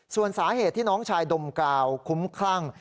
ส่วนสาเหตุที่น้องชายดมกราวคุ้มคลั่ง